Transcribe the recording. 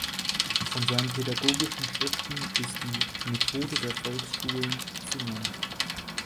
Von seinen pädagogischen Schriften ist die "Methode der Volksschulen" zu nennen.